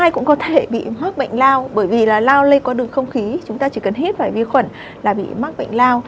cũng có thể bị mắc bệnh lao bởi vì là lao lây qua đường không khí chúng ta chỉ cần hít phải vi khuẩn là bị mắc bệnh lao